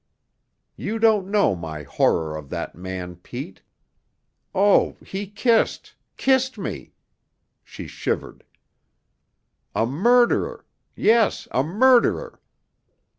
You don't know my horror of that man, Pete. Oh, he kissed kissed me!" She shivered. "A murderer! Yes, a murderer.